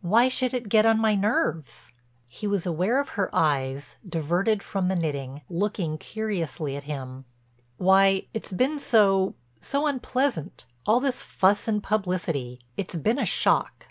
"Why should it get on my nerves?" He was aware of her eyes—diverted from the knitting—looking curiously at him: "Why, it's been so—so—unpleasant, all this fuss and publicity. It's been a shock."